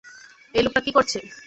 এই লোকটা কী করছে?